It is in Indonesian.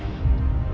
kembali ke rumah saya